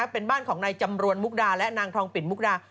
เป็นบ้านของนายจำรวนมุกดาและนางทองปิ่นมุกดา